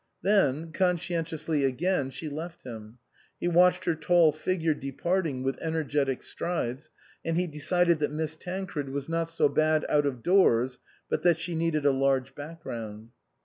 Then, conscientiously again, she left him. He watched her tall figure departing with energetic strides, and he decided that Miss Tancred was not so bad out of doors, but that she needed a large background.